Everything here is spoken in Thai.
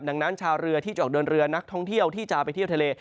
ดังนั้นชาวเรือที่จะออกเดินเรือนักท่องเที่ยวที่จะไปเที่ยวทะเล